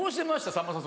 さんまさん